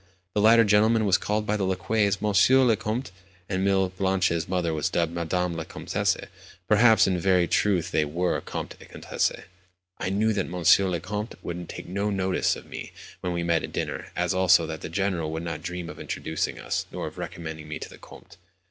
The latter gentleman was called by the lacqueys "Monsieur le Comte," and Mlle. Blanche's mother was dubbed "Madame la Comtesse." Perhaps in very truth they were "Comte et Comtesse." I knew that "Monsieur le Comte" would take no notice of me when we met at dinner, as also that the General would not dream of introducing us, nor of recommending me to the "Comte."